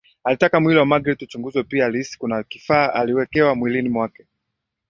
Alitaka mwili wa magreth uchunguzwe pia alihisi kuna kifaa aliwekewa mwilini mwake